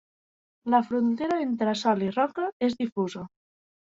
La frontera entre sòl i roca és difusa.